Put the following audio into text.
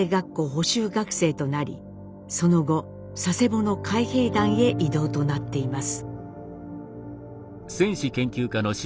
学生となりその後佐世保の海兵団へ移動となっています。